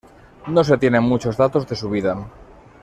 No se tienen muchos datos de su vida.